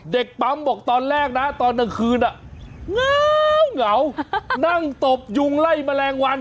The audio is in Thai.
เด็กปั๊มบอกตอนแรกนะตอนกลางคืนเหงานั่งตบยุงไล่แมลงวัน